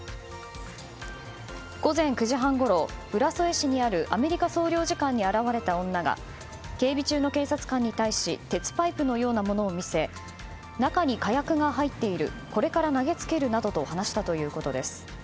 午前９時半ごろ、浦添市にあるアメリカ総領事館に現れた女が警備中の警察官に対し鉄パイプのようなものもを見せ中に火薬が入っているこれから投げつけるなどと話したということです。